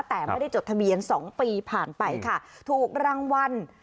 แต่ไม่ได้จดทะเบียน๒ปีผ่านไปค่ะถูกรางวัล